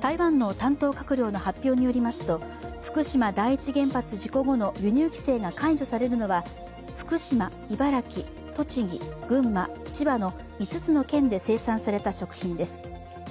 台湾の担当閣僚の発表によりますと福島第一原発事故後の輸入規制が解除されるのは福島、茨城、栃木、群馬、千葉の５つの県で生産された食品です。